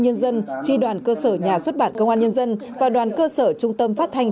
nhân dân tri đoàn cơ sở nhà xuất bản công an nhân dân và đoàn cơ sở trung tâm phát thanh